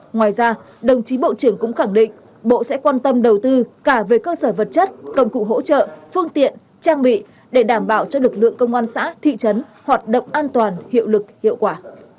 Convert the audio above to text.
ngoài ra đồng chí bộ trưởng cũng khẳng định bộ sẽ quan tâm đầu tư cả về cơ sở vật chất công cụ hỗ trợ phương tiện trang bị để đảm bảo cho lực lượng công an xã thị trấn hoạt động an toàn hiệu lực hiệu quả